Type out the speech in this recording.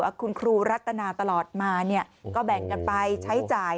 ว่าคุณครูรัตนาตลอดมาแบ่งกันไปใช้จ่าย